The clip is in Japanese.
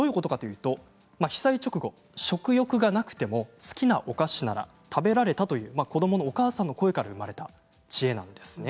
被災直後で食欲がなくても好きなお菓子なら食べられたという子どものお母さんの声から生まれた知恵なんですね。